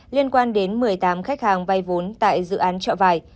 liên quan đến một mươi tám khách hàng vay vốn tại dự án trọ vải